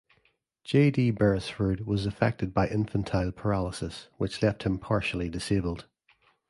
J. D. Beresford was affected by infantile paralysis, which left him partially disabled.